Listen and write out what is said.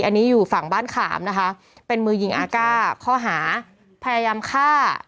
อันนี้อยู่ฝั่งบ้านขามนะคะเป็นมือยิงอาก้าข้อหาพยายามฆ่า